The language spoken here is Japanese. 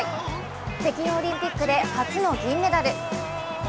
北京オリンピックで初の銀メダル。